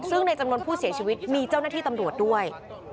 ซึ่งในจำนวนผู้เสียชีวิตมีเจ้าหน้าที่ตำรวจด้วย